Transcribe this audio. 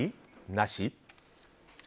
なし？